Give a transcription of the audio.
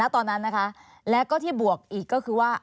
ตอนนั้นนะคะแล้วก็ที่บวกอีกก็คือว่า